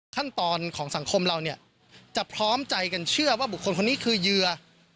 ขั้นตอนของสังคมเราเนี่ยจะพร้อมใจกันเชื่อว่าบุคคลคนนี้คือเหยื่อ